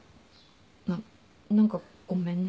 なっ何かごめんね。